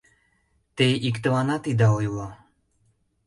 Те иктыланат ида ойло.